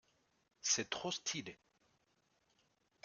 C'est trop stylé.